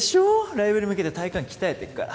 ライブに向けて体幹鍛えてっから。